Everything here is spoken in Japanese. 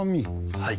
はい。